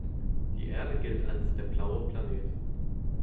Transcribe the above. Die Erde gilt als der „blaue Planet“.